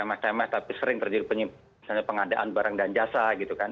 remes remes tapi sering terjadi pengadaan barang dan jasa gitu kan